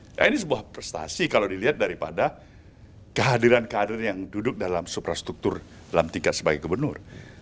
nah ini sebuah prestasi kalau dilihat daripada kehadiran kader yang duduk dalam suprastruktur dalam tingkat sebagai gubernur